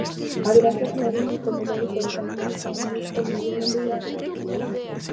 Aberastasun erritmiko, melodiko eta harmoniko handiko mugimendua da.